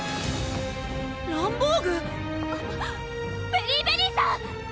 ベリィベリーさん？